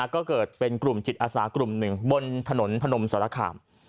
ก็เกิดเป็นกลุ่มจิตอาสากลุ่มหนึ่งบนถนนพนมสารคาม